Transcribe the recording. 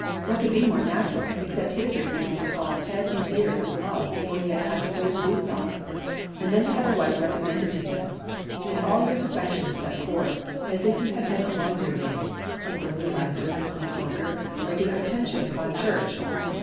What could be more natural except his refusing to fall head in ears in love before he had time to pull his boots off. And then to have a wife recommended to him! and all your perfections set forth, as if you had been a laundrymaid an early riser, neat worker, regular attention upon church!